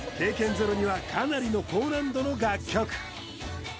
ゼロにはかなりの高難度の楽曲